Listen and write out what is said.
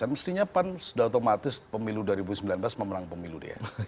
mestinya pan sudah otomatis pemilu dua ribu sembilan belas memenang pemilu dia